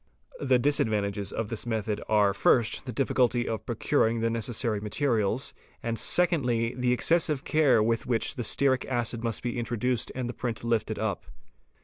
The disadvantages of this method are first the difficulty of procuring the necessary materials, and secondly the excessive care with which the stearic acid must be introduced and the print lifted up.